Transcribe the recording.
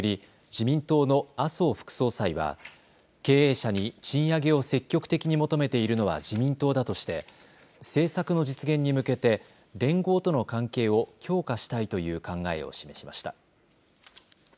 自民党の麻生副総裁は経営者に賃上げを積極的に求めているのは自民党だとして政策の実現に向けて連合との関係を強化したいという考えを示しました。